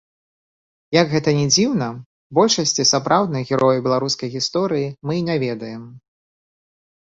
Як гэта ні дзіўна, большасці сапраўдных герояў беларускай гісторыі мы і не ведаем.